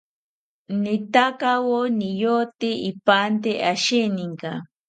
Nitakawo niyote ipante asheninka